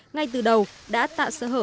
ngay từ đầu đã tạo sở hở